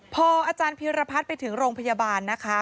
พออาจารย์พิรพัฒน์ไปถึงโรงพยาบาลนะคะ